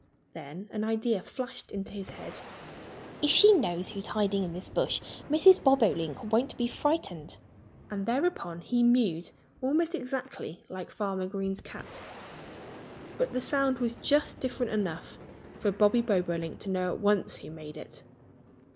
Then an idea flashed into his head. "If she knows who's hiding in this bush Mrs. Bobolink won't be frightened!" And thereupon he mewed almost exactly like Farmer Green's cat. But the sound was just different enough for Bobby Bobolink to know at once who made it.